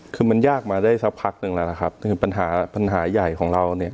คือมันยากมาได้สักพักหนึ่งแล้วนะครับคือปัญหาปัญหาใหญ่ของเราเนี่ย